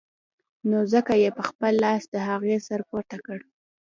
نو ځکه يې په خپل لاس د هغې سر پورته کړ.